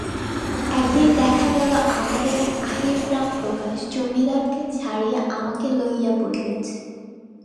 একদিন দেখা গেল আমাদের আহিরগ্রামপ্রকাশ জমিদারকে ছাড়িয়া আমাকে লইয়া পড়িয়াছে।